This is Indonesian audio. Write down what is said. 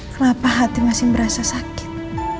kenapa hati masih merasa sakit